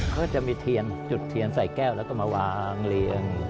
เขาจะมีเทียนจุดเทียนใส่แก้วแล้วก็มาวางเรียง